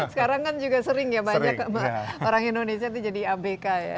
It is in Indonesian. sekarang kan juga sering ya banyak orang indonesia itu jadi abk ya